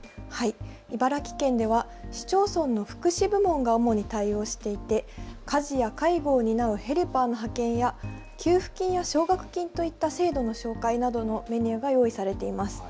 茨城県では市町村の福祉部門が主に対応していて家事や介護を担うヘルパーの派遣や給付金や奨学金といった制度の紹介などのメニューが用意されています。